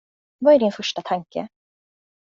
Vad är din första tanke?